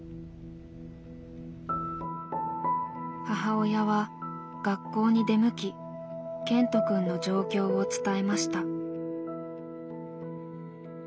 母親は学校に出向きケントくんの状況を伝えました。